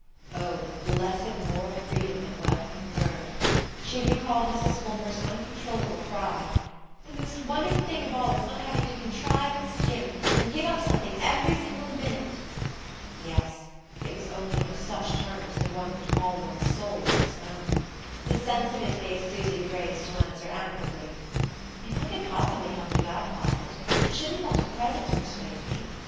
Oh, the blessed moral freedom that wealth conferred! She recalled Mrs. Fulmer's uncontrollable cry: "The most wonderful thing of all is not having to contrive and skimp, and give up something every single minute!" Yes; it was only on such terms that one could call one's soul one's own. The sense of it gave Susy the grace to answer amicably: "If I could possibly help you out, Violet, I shouldn't want a present to persuade me.